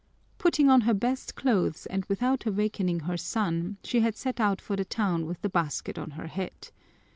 Putting on her best clothes and without awakening her son, she had set out for the town with the basket on her head.